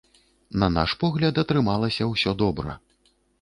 На наш погляд, атрымалася ўсё добра.